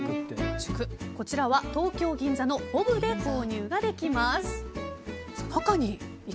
こちらは東京・銀座のｂｏＢ購入ができます。